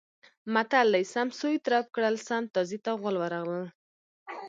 متل دی: سم سوی طرف کړل سم تازي ته غول ورغلل.